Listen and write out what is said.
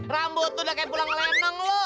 rambut lu udah kayak pulang leneng loh